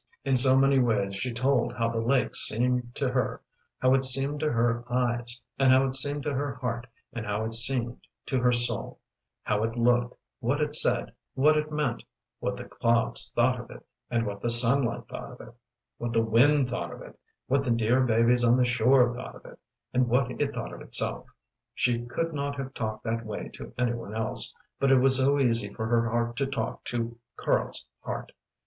In so many ways she told how the lake seemed to her how it seemed to her eyes and how it seemed to her heart and how it seemed to her soul, how it looked, what it said, what it meant; what the clouds thought of it, and what the sunlight thought of it, what the wind thought of it, what the dear babies on the shore thought of it, and what it thought of itself. She could not have talked that way to any one else, but it was so easy for her heart to talk to Karl's heart.